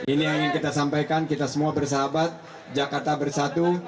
ini yang ingin kita sampaikan kita semua bersahabat jakarta bersatu